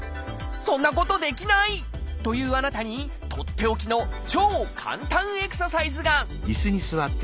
そんなことできない！というあなたにとっておきの超簡単エクササイズが！